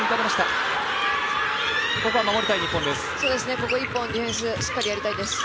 ここ一本ディフェンス、しっかりやりたいです。